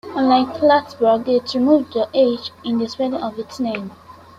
Unlike Plattsburgh, it removed the "h" in the spelling of its name.